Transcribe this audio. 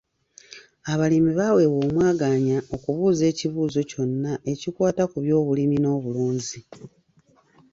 Abalimi baweebwa omwagaanya okubuuza ekibuuzo kyonna ekikwata ku byobulimi n'obulunzi.